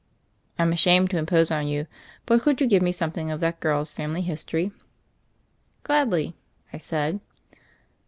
"Fm ashamed to impose on you; but could you give me something of that girl's family his tory." "Gladly," I said.